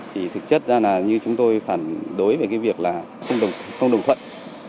thì thực chất ra là như chúng tôi phản đối về cái việc là không đồng thuận